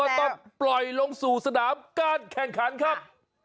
ต้องปล่อยลงสู่สนามการแข่งขันครับ